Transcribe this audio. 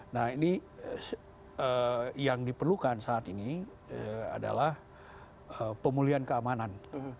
nah ini yang diperlukan saat ini adalah pemulihan keamanan